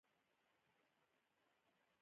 خو څوک یې په کيسه کې هم نه دي.